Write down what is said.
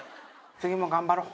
次も頑張ろう。